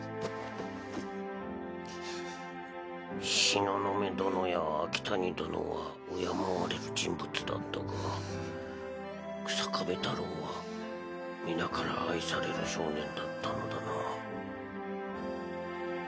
東雲殿や秋谷殿は敬われる人物だったが日下部太朗は皆から愛される少年だったのだな。